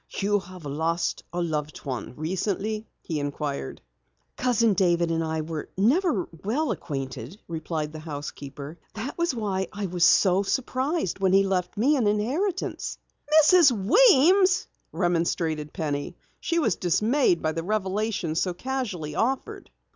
"You have lost a loved one recently?" he inquired. "Cousin David and I never were well acquainted," replied the housekeeper. "That was why I was so surprised when he left me an inheritance." "Mrs. Weems!" remonstrated Penny. She was dismayed by the revelation so casually offered.